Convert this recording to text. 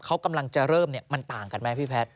เขากำลังจะเริ่มมันต่างกันไหมพี่แพทย์